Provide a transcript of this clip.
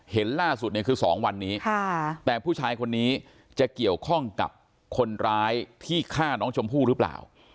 เห็นล่าสุดเนี่ยคือ๒วันนี้แต่ผู้ชายคนนี้จะเกี่ยวข้องกับคนร้ายที่ฆ่าน้องชมพู่หรือเปล่า